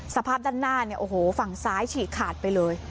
สภาพด้านหน้าเนี่ยโอ้โหฝั่งซ้ายฉีกขาดไปเลย